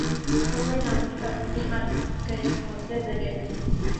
خبرنامے عوامی معلومات کا ایک مؤثر ذریعہ ہیں۔